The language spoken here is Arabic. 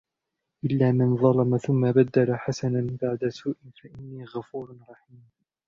إلا من ظلم ثم بدل حسنا بعد سوء فإني غفور رحيم